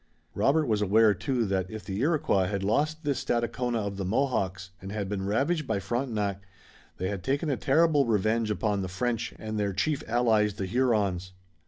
Robert was aware, too, that if the Iroquois had lost this Stadacona of the Mohawks and had been ravaged by Frontenac, they had taken a terrible revenge upon the French and their chief allies, the Hurons.